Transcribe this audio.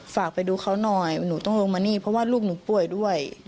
ฝากไปดูเขาหน่อยหนูต้องลงมานี่เพราะว่าลูกหนูป่วยด้วย